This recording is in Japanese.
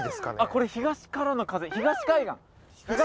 これ東からの風東海岸！